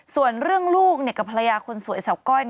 ส่วนเรื่องลูกกับภรรยาคนสวยสาวก้อย